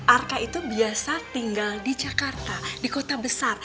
arka itu biasa tinggal di jakarta di kota besar